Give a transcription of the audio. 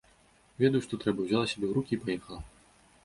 Ведаю, што трэба, узяла сябе ў рукі і паехала.